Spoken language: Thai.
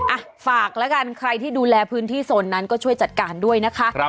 อ่ะฝากแล้วกันใครที่ดูแลพื้นที่โซนนั้นก็ช่วยจัดการด้วยนะคะ